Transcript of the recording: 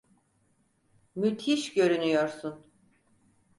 Müthiş görünüyorsun.